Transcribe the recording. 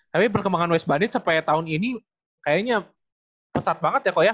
tapi perkembangan west bandit sampai tahun ini kayaknya pesat banget ya kok ya